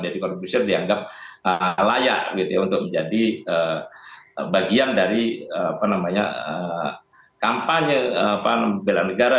dedy kornbusir dianggap layak untuk menjadi bagian dari kampanye pemberian negara